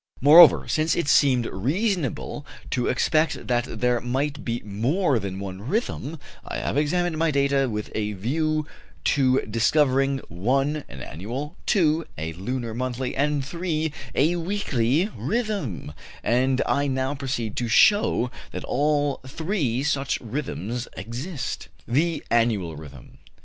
Moreover, since it seemed reasonable to expect that there might be more than one rhythm, I have examined my data with a view to discovering (1) an annual, (2) a lunar monthly, and (3) a weekly rhythm, and I now proceed to show that all three such rhythms exist. THE ANNUAL RHYTHM.